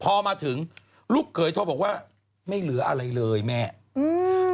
พอมาถึงลูกเขยโทรบอกว่าไม่เหลืออะไรเลยแม่อืม